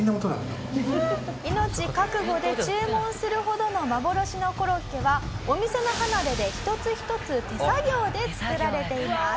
命覚悟で注文するほどの幻のコロッケはお店の離れで一つ一つ手作業で作られています。